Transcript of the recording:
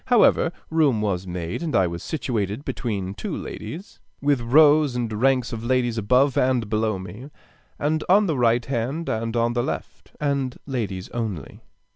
However, room was made, and I was situated between two ladies, with rows and ranks of ladies above and below me, and on the right hand and on the left, and ladies only.